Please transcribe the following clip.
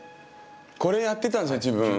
これやってたんですか自分。